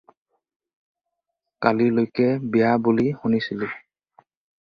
কালিলৈকে বিয়া বুলি শুনিছিলোঁ।